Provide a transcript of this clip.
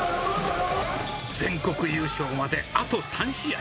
全国優勝まであと３試合。